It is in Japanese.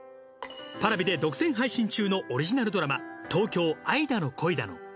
Ｐａｒａｖｉで独占配信中のオリジナルドラマ『東京、愛だの、恋だの』。